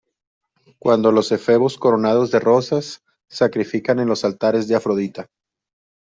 cuando los efebos coronados de rosas sacrifican en los altares de Afrodita.